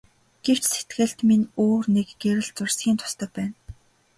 Гэвч сэтгэлд минь өөр нэг гэрэл зурсхийн тусдаг байна.